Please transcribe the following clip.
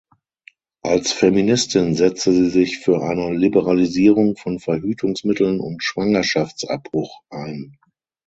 Als Feministin setzte sie sich für eine Liberalisierung von Verhütungsmitteln und Schwangerschaftsabbruch ein.